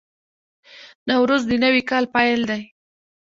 نوروز د نوي کال پیل دی.